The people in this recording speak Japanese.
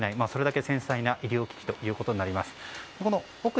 それだけ繊細な医療機器となります。